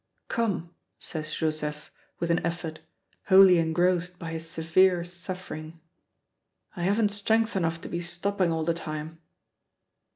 "Come," says Joseph, with an effort, wholly engrossed by his severe suffering, "I haven't strength enough to be stopping all the time."